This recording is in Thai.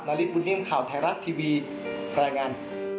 นฤทธิ์บุญฮิ่มข่าวไทยรัฐทีวีแปลงาน